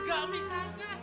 gak mi gak